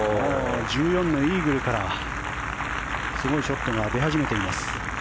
１４のイーグルからすごいショットが出始めています。